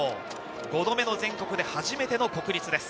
５度目の全国で初めての国立です。